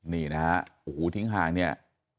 นี่นะฮะโอ้โหทิ้งห่างเนี่ย